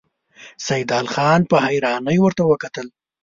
سيدال خان په حيرانۍ ورته وکتل.